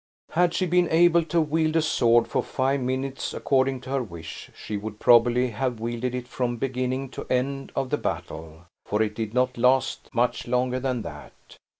Had she been able to wield a sword for five minutes, according to her wish, she would probably have wielded it from beginning to end of the battle; for it did not last much longer than that.